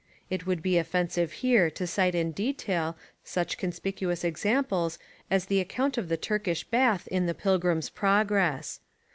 It would be offensive here to cite in detail such conspicuous examples as the account of the Turkish bath in the Pil grims' Progress.